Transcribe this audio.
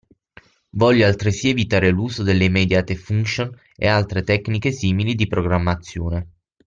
Voglio altresì evitare l’uso delle immediate function e altre tecniche simili di programmazione.